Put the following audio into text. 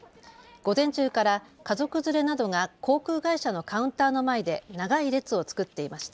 午前中から家族連れなどが航空会社のカウンターの前で長い列を作っていました。